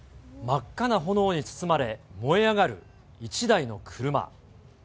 真っ赤な炎に包まれ燃え上がる１台の車。